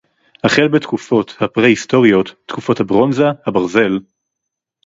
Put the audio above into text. החל בתקופות הפרהיסטוריות, תקופת הברונזה, הברזל